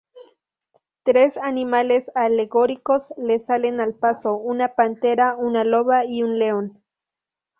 Tres animales alegóricos le salen al paso: una pantera, una loba y un león.